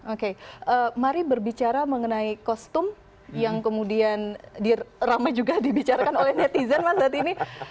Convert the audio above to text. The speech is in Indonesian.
oke mari berbicara mengenai kostum yang kemudian ramai juga dibicarakan oleh netizen mas saat ini